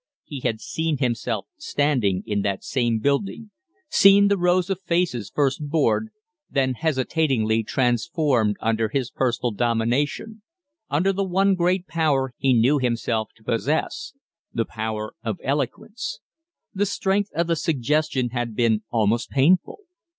He had seen himself standing in that same building, seen the rows of faces first bored, then hesitatingly transformed under his personal domination, under the one great power he knew himself to possess the power of eloquence. The strength of the suggestion had been almost painful.